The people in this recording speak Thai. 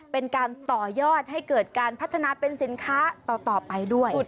เป็นการต่อยอดให้เกิดการพัฒนาเป็นสินค้าต่อไปด้วย